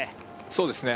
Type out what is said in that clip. そうですね